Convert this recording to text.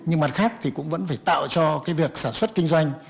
nhưng mặt khác thì cũng vẫn phải tạo cho cái việc sản xuất kinh doanh